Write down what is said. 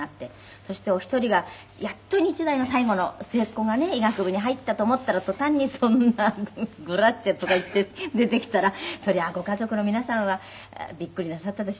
そしてお一人がやっと日大の最後の末っ子がね医学部に入ったと思ったら途端にそんな「グラッチェ」とか言って出てきたらそりゃご家族の皆さんはびっくりなさったでしょうね。